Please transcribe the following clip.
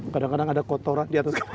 kadang kadang ada kotoran di atas